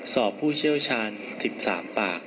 ผู้เชี่ยวชาญ๑๓ปาก